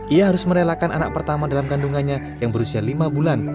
ia harus merelakan anak pertama dalam kandungannya yang berusia lima bulan